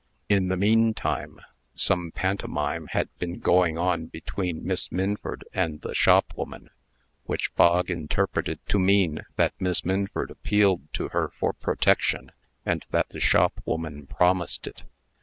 In the mean time, some pantomime had been going on between Miss Minford and the shopwoman, which Bog interpreted to mean that Miss Minford appealed to her for protection, and that the shopwoman promised it.